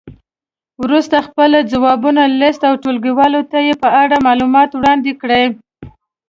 وروسته خپل ځوابونه لیست او ټولګیوالو ته یې په اړه معلومات وړاندې کړئ.